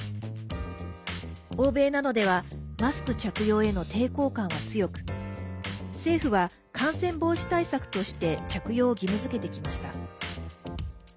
欧米などではマスク着用への抵抗感は強く政府は感染防止対策として着用を義務づけてきました。